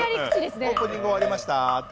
オープニング終わりましたって感じで。